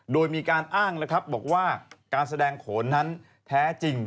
โดยมีการอ้างนะครับบอกว่าการแสดงโขนนั้นแท้จริง